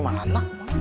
susah yang meluk gimana